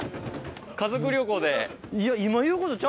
家族旅行で。